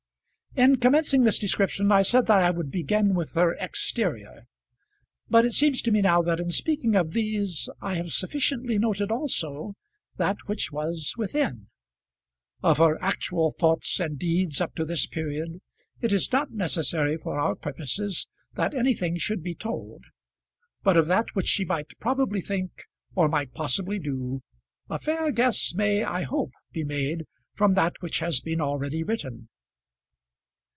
In commencing this description I said that I would begin with her exterior; but it seems to me now that in speaking of these I have sufficiently noted also that which was within. Of her actual thoughts and deeds up to this period it is not necessary for our purposes that anything should be told; but of that which she might probably think or might possibly do, a fair guess may, I hope, be made from that which has been already written.